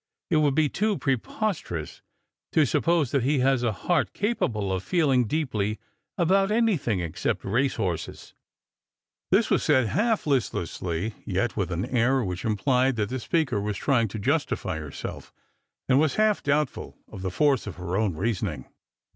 It would be too preposterous to suppose that he has a heart capable of feeling deeply about anything except his racehorses." This was said half listlessly, yet with an air which implied that the speaker was trying to justify herself, and was half doubtful of the force of her own reasoning.